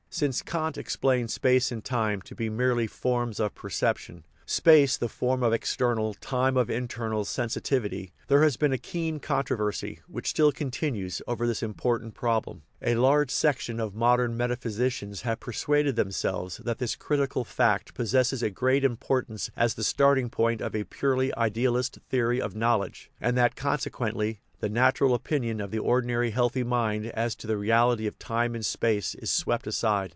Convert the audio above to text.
Since Kant explained space and time to be merely " forms of perception " space the form of external, time of internal, sensitivity there has been a keen controversy, which still continues, over this important problem. A large section of modern metaphysicians have persuaded themselves that this "critical fact" possesses a great importance as the starting point of "a purely idealist theory of knowledge," and that, con sequently, the natural opinion of the ordinary healthy mind as to the reality of time and space is swept aside.